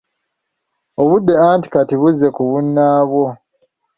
Obudde anti kati buzze ku bunnaabwo.